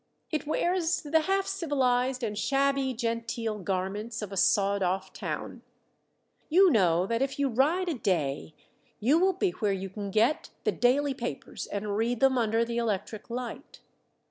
It wears the half civilized and shabby genteel garments of a sawed off town. You know that if you ride a day you will be where you can get the daily papers and read them under the electric light.